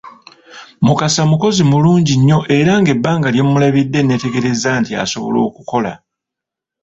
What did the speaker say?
Mukasa mukozi mulungi nnyo era ng’ebbanga lye mulabidde nneetegerezza nti asobola okukola.